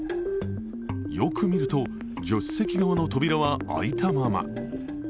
よく見ると助手席側の扉は開いたまま。